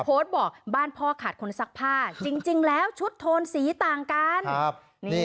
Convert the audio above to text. โพสต์บอกบ้านพ่อขาดคนซักผ้าจริงแล้วชุดโทนสีต่างกัน